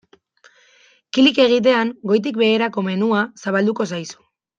Klik egitean goitik-beherako menua zabalduko zaizu.